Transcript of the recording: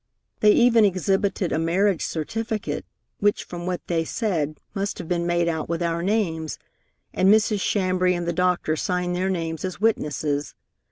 "They even exhibited a marriage certificate, which, from what they said, must have been made out with our names, and Mrs. Chambray and the doctor signed their names as witnesses.